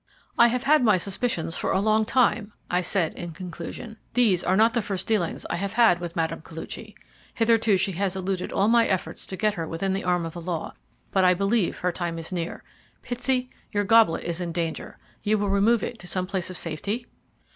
"I have had my suspicions for a long time," I said, in conclusion. "These are not the first dealings I have had with Mme. Koluchy. Hitherto she has eluded all my efforts to get her within the arm of the law, but I believe her time is near. Pitsey, your goblet is in danger. You will remove it to some place of safety?"